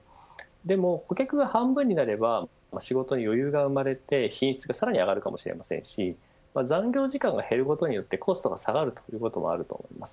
でも、顧客が半分になれば仕事に余裕が生まれて、品質がさらに上がるかもしれませんし残業時間が減ることによってコストが下がるということもあると思います。